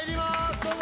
どうぞ！